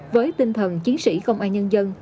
với tinh thần chiến sĩ công an nhân dân